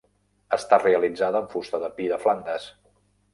Està realitzada amb fusta de pi de Flandes.